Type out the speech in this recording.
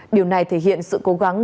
điều này thể hiện sự cố gắng của bộ công an